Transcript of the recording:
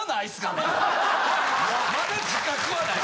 まだ自覚はない。